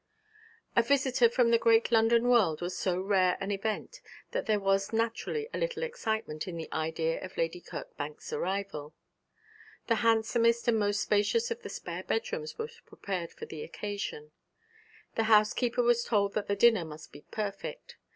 A visitor from the great London world was so rare an event that there was naturally a little excitement in the idea of Lady Kirkbank's arrival. The handsomest and most spacious of the spare bedrooms was prepared for the occasion. The housekeeper was told that the dinner must be perfect.